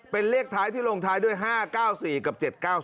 เป็นเลขท้ายที่ลงท้ายด้วย๕๙๔กับ๗๙๔